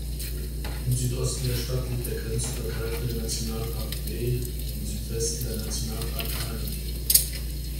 Im Südosten der Stadt liegt der grenzübergreifende Nationalpark W, im Südwesten der Nationalpark Arly.